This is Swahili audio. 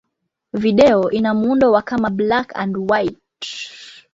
Video ina muundo wa kama black-and-white.